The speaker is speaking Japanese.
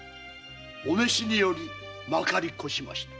お召しによりまかりこしました。